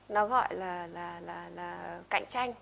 nó gọi là cạnh tranh